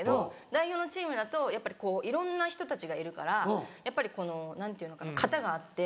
代表のチームだとやっぱりいろんな人たちがいるからやっぱり何ていうのかな型があって。